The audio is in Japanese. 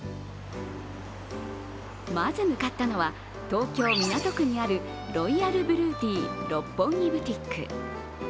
まず向かったのは、東京・港区にあるロイヤルブルーティー六本木ブティック。